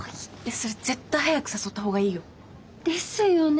それ絶対早く誘った方がいいよ。ですよね。